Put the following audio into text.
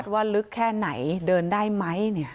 วัดว่าลึกแค่ไหนเดินได้มั้ยเนี่ย